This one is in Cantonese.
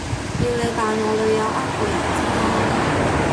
要你扮我女友呃個人咋嘛